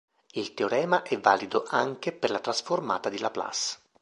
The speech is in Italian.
Il teorema è valido anche per la trasformata di Laplace.